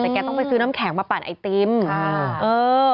แต่แกต้องไปซื้อน้ำแข็งมาปั่นไอติมค่ะเออ